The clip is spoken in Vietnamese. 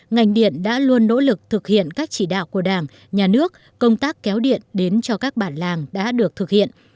ngành điện đã luôn nỗ lực thực hiện các chỉ đạo của đảng nhà nước công tác kéo điện đến cho các bản làng đã được thực hiện